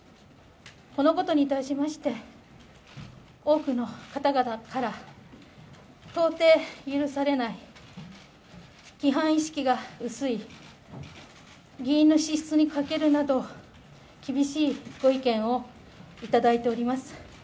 このことに対しまして、多くの方々から到底許されない、規範意識が薄い、議員の資質に欠けるなど厳しいご意見をいただいております。